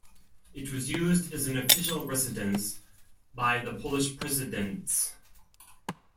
It was used as an official residence by the Polish presidents.